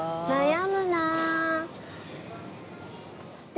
悩むな。